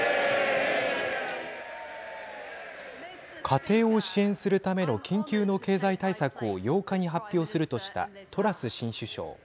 家庭を支援するための緊急の経済対策を８日に発表するとしたトラス新首相。